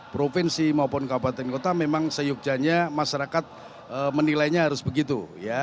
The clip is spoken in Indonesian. provinsi maupun kabupaten kota memang seyogjanya masyarakat menilainya harus begitu